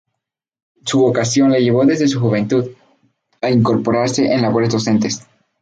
Su vocación le llevó desde su juventud a incorporarse en labores docentes.